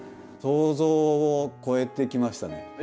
想像を超えてきましたね。